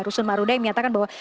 rusun marunda yang menyatakan bahwa